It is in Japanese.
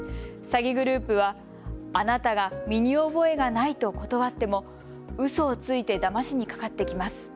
詐欺グループはあなたが身に覚えがないと断ってもうそをついてだましにかかってきます。